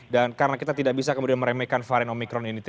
dan karena kita tidak bisa kemudian